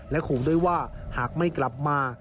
และห่วงด้วยว่าหากไม่กลับมา